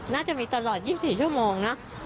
น่าจะมีตลอด๒๔ชั่วโมงนะ